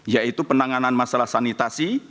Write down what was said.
yaitu penanganan masalah sanitasi